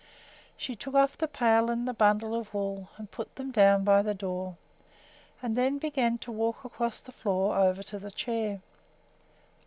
She took off the pail and the bundle of wool and put them down by the door, and then began to walk across the floor over to the chair.